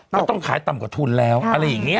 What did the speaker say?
ก็ต้องขายต่ำกว่าทุนแล้วอะไรอย่างนี้